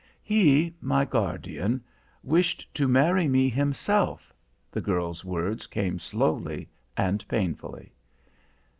"He my guardian wished to marry me himself," the girl's words came slowly and painfully.